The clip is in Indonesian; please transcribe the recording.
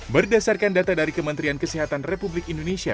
berdasarkan data dari kementerian kesehatan republik indonesia